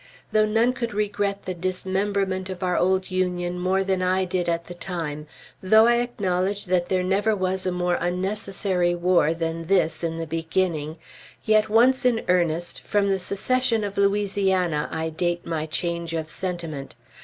Though none could regret the dismemberment of our old Union more than I did at the time, though I acknowledge that there never was a more unnecessary war than this in the beginning, yet once in earnest, from the secession of Louisiana I date my change of sentiment.